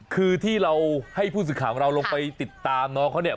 คือที่เราให้ผู้สึกข่าวความรู้เราลงไปติดตามน้องเค้า